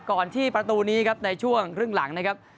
ก่อนที่ประตูนี้ครับในช่วงครึ่งหลังนะครับ